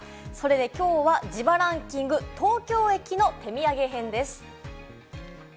きょうは自腹ンキング、東京駅の手土産編です。